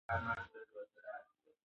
دا لینک تاسي ته نوي معلومات درکوي.